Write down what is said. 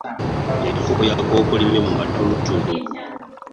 Enkoko yakookolimye mu matulutulu.